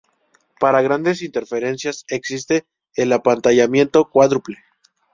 Para grandes interferencias, existe el apantallamiento cuádruple.